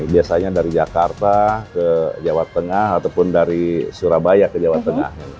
biasanya dari jakarta ke jawa tengah ataupun dari surabaya ke jawa tengah